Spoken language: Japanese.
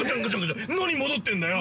何戻ってんだよ。